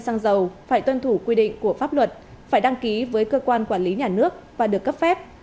xăng dầu phải tuân thủ quy định của pháp luật phải đăng ký với cơ quan quản lý nhà nước và được cấp phép